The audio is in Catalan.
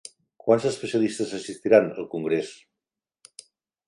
Quants especialistes assistiran al congrés?